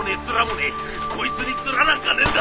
こいつに面なんかねえんだ！